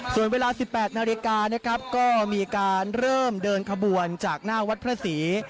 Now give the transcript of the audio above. ส่วนเวลา๑๘นาฬิกานะครับก็มีการเริ่มเดินขบวนจากหน้าวัดพระศรี